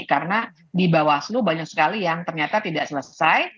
karena di bawah selu banyak sekali yang ternyata tidak selesai